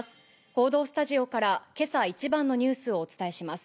報道スタジオから、けさ一番のニュースをお伝えします。